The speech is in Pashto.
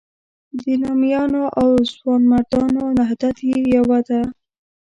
د نامیانو او ځوانمردانو نهضت یې یوه ده.